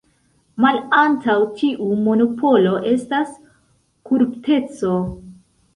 Malantaŭ tiu monopolo estas korupteco.